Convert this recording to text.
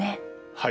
はい。